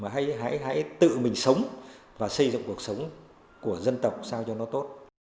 hãy tự mình sống và xây dựng cuộc sống của dân tộc sao cho nó tốt